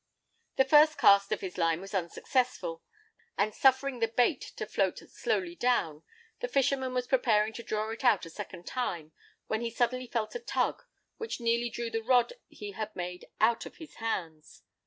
The first cast of his line was unsuccessful; and suffering the bait to float slowly down, the fisherman was preparing to draw it out a second time, when he suddenly felt a tug, which nearly drew the rod he had made out of his hands.